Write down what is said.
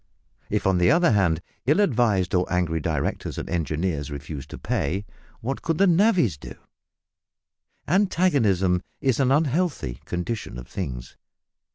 If, on the other hand, ill advised or angry directors and engineers refused to pay, what could navvies do? Antagonism is an unhealthy condition of things.